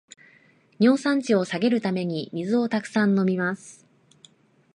尿酸値を下げるために水をたくさん飲みます